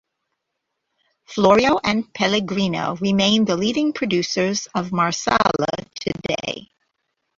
Florio and Pellegrino remain the leading producers of Marsala today.